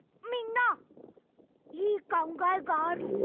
みんないいかんがえがある。